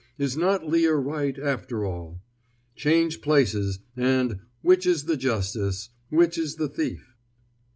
Is not Lear right, after all: "... .change places; and. .. .which is the justice, which is the thief?"